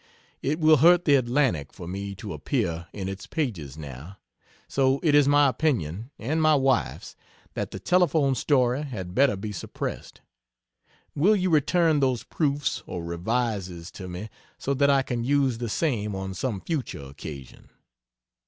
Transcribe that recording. It will hurt the Atlantic for me to appear in its pages, now. So it is my opinion and my wife's that the telephone story had better be suppressed. Will you return those proofs or revises to me, so that I can use the same on some future occasion?